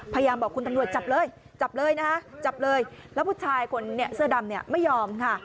พยายามบอกคุณตำรวจจับเลยจับเลยนะคะจับเลยแล้วผู้ชายคนเนี่ยเสื้อดำเนี่ยไม่ยอมค่ะ